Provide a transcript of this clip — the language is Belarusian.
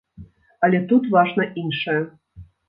Але тут важна іншае.